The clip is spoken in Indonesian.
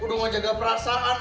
udah mau jaga perasaan